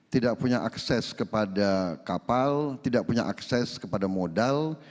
tidak punya akses kepada kapal tidak punya akses kepada modal